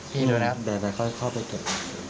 พี่ดูนะครับ